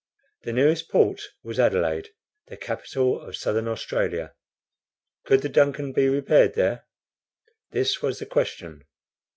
The nearest port was Adelaide, the Capital of Southern Australia. Could the DUNCAN be repaired there? This was the question.